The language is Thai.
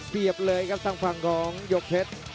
เลยครับทางฝั่งของหยกเพชร